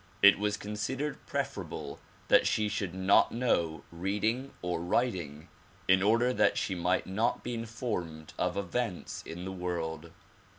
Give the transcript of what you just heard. It was considered preferable that she should not know reading or writing, in order that she might not be in formed of events in the world.